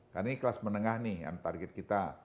karena ini kelas menengah nih yang target kita